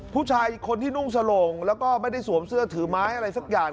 ผู้ชายคนที่นุ่งสโหลงแล้วก็ไม่ได้สวมเสื้อถือไม้อะไรสักอย่าง